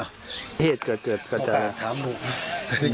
เอาเหตุเกิดกันแล้ว